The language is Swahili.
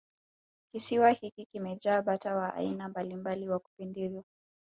kisiwa hiki kimejaa bata wa aina mbalimbali wa kupendeza